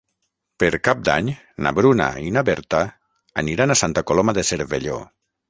Per Cap d'Any na Bruna i na Berta aniran a Santa Coloma de Cervelló.